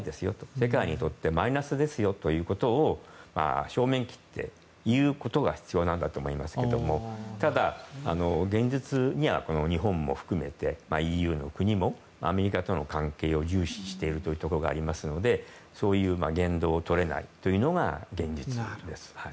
世界にとってマイナスですよということを正面切って言うことが必要なんだと思いますけどもただ、現実には日本も含めてＥＵの国もアメリカとの関係を重視しているところがありますのでそういう言動をとれないのが現実です。